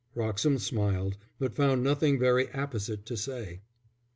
Wroxham smiled, but found nothing very apposite to say.